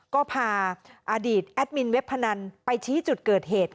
ก็พาอดีตแอดมินเว็บพนันไปชี้จุดเกิดเหตุ